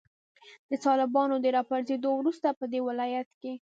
د طالبانو د راپرزیدو وروسته پدې ولایت کې